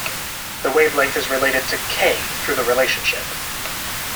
The wavelength is related to "k" through the relationship.